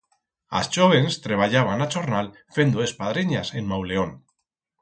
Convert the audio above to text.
As chóvens treballaban a chornal fendo espadrenyas en Mauleón.